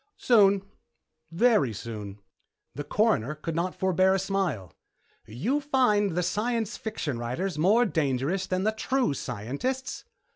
"Soon, very soon." The Coroner could not forebear a smile. "You find the science fiction writers more dangerous than the true scientists?"